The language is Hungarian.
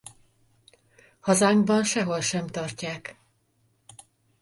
Hazánkban sehol sem tartják.